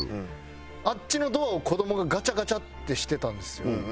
あっちのドアを子どもがガチャガチャってしてたんですよ。